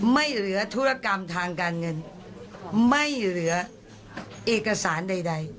ไม่เหลือธุรกรรมทางการเงินไม่เหลือเอกสารใด